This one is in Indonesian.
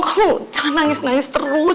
kamu nangis nangis terus